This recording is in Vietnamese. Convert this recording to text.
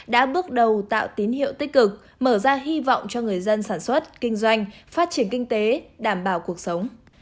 đã bước đầu tạo tín hiệu tích cực mở ra hy vọng cho người dân sản xuất kinh doanh phát triển kinh tế đảm bảo cuộc sống